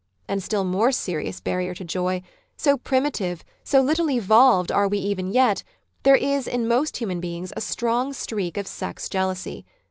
And, still more serious barrier to joy, so primitive, so little evolved are we even yet, there is in most human beings a strong streak of sex jealousy.